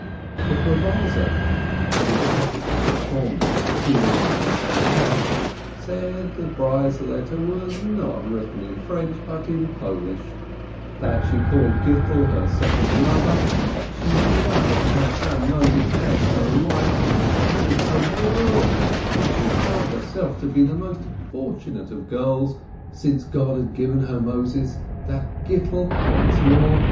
The provisor, the apothecary's foreman, who lived in the same house, said the bride's letter was not written in French, but in Polish, that she called Gittel her second mother, that she loved her son Moses as her life, that he was her world, that she held herself to be the most fortunate of girls, since God had given her Moses, 93 that Gittel (once more!)